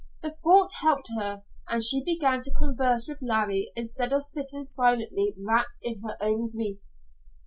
The thought helped her, and she began to converse with Larry instead of sitting silently, wrapped in her own griefs.